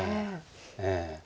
ええ。